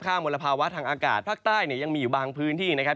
มลภาวะทางอากาศภาคใต้เนี่ยยังมีอยู่บางพื้นที่นะครับ